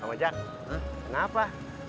bang ojak kenapa